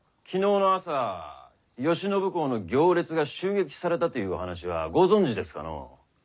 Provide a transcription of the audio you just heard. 昨日の朝慶喜公の行列が襲撃されたとゆう話はご存じですかのう？